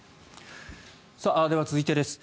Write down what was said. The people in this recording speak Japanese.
では、続いてです。